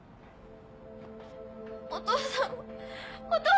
お父さんを。